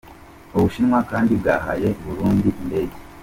u Bushinwa kandi bwahaye u Burundi indege.